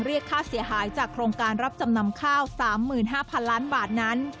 เรียกค่าเสียหายจากโครงการรับจำนำข้าว๓๕๐๐๐ล้านบาทนั้น